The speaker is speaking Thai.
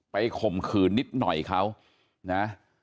ข่มขืนนิดหน่อยเขานะ